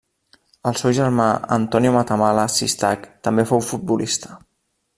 El seu germà Antonio Matamala Sistac també fou futbolista.